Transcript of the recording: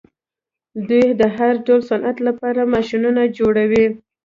دوی د هر ډول صنعت لپاره ماشینونه جوړوي.